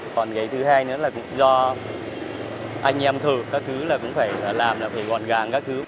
còn cái thứ hai nữa là cũng do anh em thử các thứ là cũng phải làm là phải gọn gàng các thứ